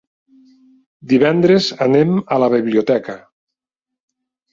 Divendres anem a la biblioteca.